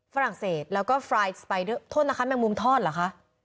ฝรั่งเศสแล้วก็ฟรายสไปเดอร์โทษนะคะแมงมุมทอดเหรอคะ